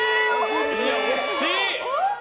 惜しい！